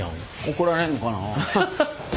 怒られんのかな？